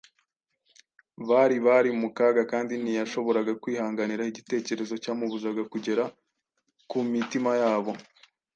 Bari bari mu kaga kandi ntiyashoboraga kwihanganira igitekerezo cyamubuzaga kugera ku mitima yabo